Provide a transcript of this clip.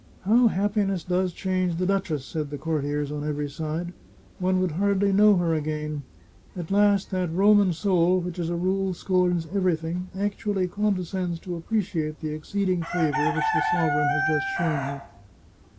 " How happiness does change the duchess !" said the courtiers on every side ;" one would hardly know her again. At last that Roman soul, which as a rule scorns everything, actually condescends to appreciate the exceeding favour which the sovereign has just shown her."